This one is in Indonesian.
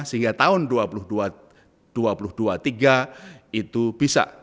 sehingga tahun dua ribu dua puluh dua dua ribu dua puluh tiga itu bisa